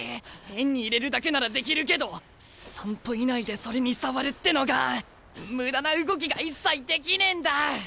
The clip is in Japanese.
円に入れるだけならできるけど３歩以内でそれに触るってのが無駄な動きが一切できねえんだ！